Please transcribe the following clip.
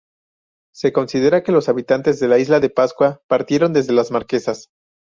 Se considera que los habitantes de la Isla de Pascua partieron desde las Marquesas.